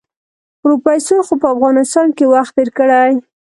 پروفيسر خو په افغانستان کې وخت تېر کړی.